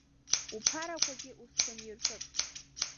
Уԥарақәагьы узхынирҳәып.